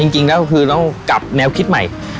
จริงแล้วคือต้องกลับแนวคิดใหม่